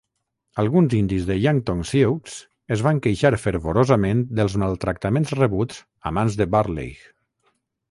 Alguns indis de Yankton Sioux es van queixar fervorosament dels maltractaments rebuts a mans de Burleigh.